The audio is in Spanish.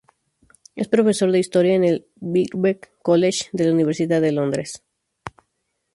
Es profesor de Historia en el Birkbeck College de la Universidad de Londres.